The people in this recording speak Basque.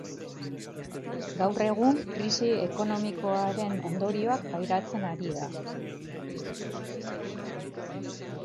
Gaur egun, krisi ekonomikoaren ondorioak pairatzen ari da.